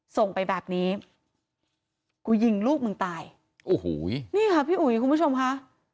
ส่งไปแบบนี้กูยิงลูกมึงตายโอ้โหนี่ค่ะพี่อุ๋ยคุณผู้ชมค่ะ